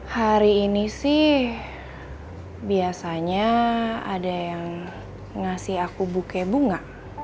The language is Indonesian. hari ini sih biasanya ada yang ngasih aku buke bunga